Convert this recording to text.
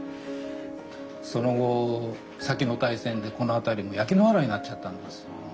その後先の大戦でこの辺りも焼け野原になっちゃったんです。